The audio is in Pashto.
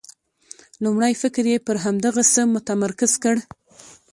لومړی فکر یې پر همدغه څه متمرکز کړ.